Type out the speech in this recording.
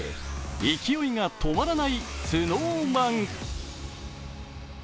勢いが止まらないＳｎｏｗＭａｎ。